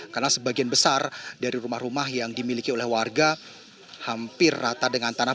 karena sebagian besar dari rumah rumah yang dimiliki oleh warga hampir rata dengan tanah